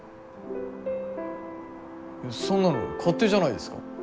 そんなの勝手じゃないですか。